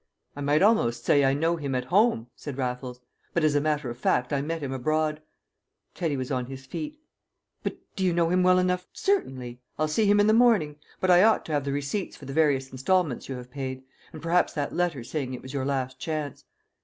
"I might almost say I know him at home," said Raffles. "But as a matter of fact I met him abroad." Teddy was on his feet. "But do you know him well enough " "Certainly. I'll see him in the morning. But I ought to have the receipts for the various instalments you have paid, and perhaps that letter saying it was your last chance."